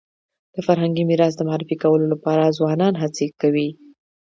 د فرهنګي میراث د معرفي کولو لپاره ځوانان هڅي کوي.